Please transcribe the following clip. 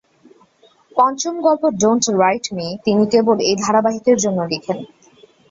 পঞ্চম গল্প "don't write me" তিনি কেবল এই ধারাবাহিকের জন্য লিখেন।